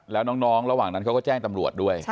แล้วน้องระหว่างนั้นเขาก็แจ้งตำรวจด้วย